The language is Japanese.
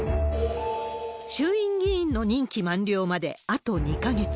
衆院議員の任期満了まであと２か月。